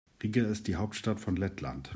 Riga ist die Hauptstadt von Lettland.